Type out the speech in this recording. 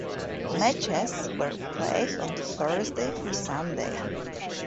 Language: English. Matches were played on Thursday through Sunday.